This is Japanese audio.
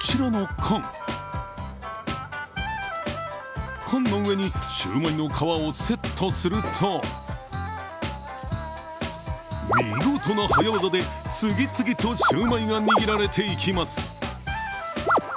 缶の上にシューマイの皮をセットすると見事な早業で次々とシューマイが握られていきます。